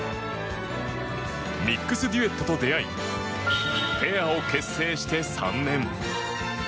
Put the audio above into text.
ミックスデュエットと出会いペアを結成して３年。